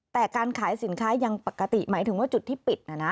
แต่การขายสินค้ายังปกติหมายถึงว่าจุดที่ปิดนะนะ